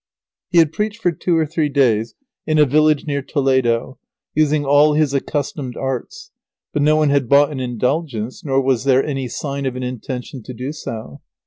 He had preached for two or three days in a village near Toledo, using all his accustomed arts, but no one had bought an Indulgence, nor was there any sign of an intention to do so.